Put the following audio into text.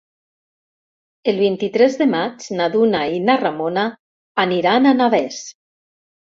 El vint-i-tres de maig na Duna i na Ramona aniran a Navès.